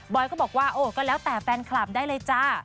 อยก็บอกว่าโอ้ก็แล้วแต่แฟนคลับได้เลยจ้า